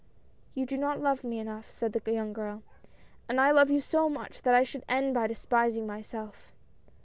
" You do not love me enough," said the young girl, " and I love you so much that I should end by despis ing myself.